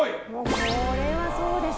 これはそうでしょ。